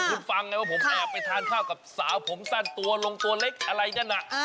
คุณฟังไงว่าผมแอบไปทานข้าวกับสาวผมสั้นตัวลงตัวเล็กอะไรนั่นน่ะ